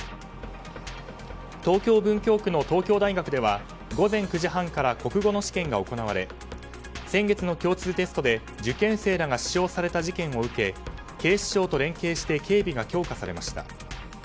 東京・文京区の東京大学では午前９時半から国語の試験が行われ先月の共通テストで受験生らが刺傷された事件を受け警視庁と連携して警備が強化されました。